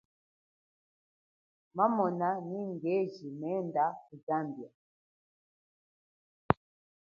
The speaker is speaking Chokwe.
Mamona nyi ngweji menda ku Zambia.